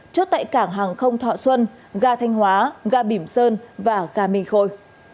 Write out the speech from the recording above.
chốt tại cảng hàng không thọ xuân gà thanh hóa gà bỉm sơn và gà minh khôi